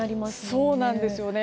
そうなんですよね。